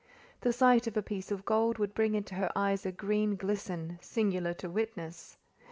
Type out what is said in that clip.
The sight of a piece of gold would bring into her eyes a green glisten, singular to witness.